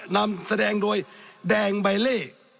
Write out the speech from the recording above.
นำแสดงโดยแดงใบเล่